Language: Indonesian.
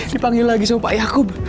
dipanggil lagi sama pak yaakub